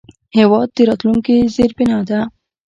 هېواد د راتلونکي زیربنا ده.